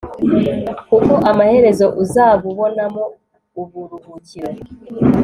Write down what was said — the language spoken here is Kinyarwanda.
kuko amaherezo uzabubonamo uburuhukiro